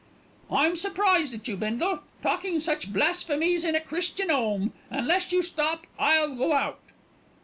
"I'm surprised at you, Bindle, talking such blasphemies in a Christian 'ome. Unless you stop I'll go out."